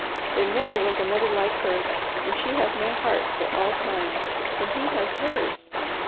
There never was another like her, and she has my heart for all time. And he has hers.